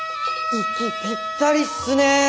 息ぴったりっすね。